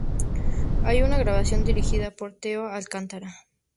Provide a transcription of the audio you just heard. Hay una grabación dirigida por Theo Alcántara.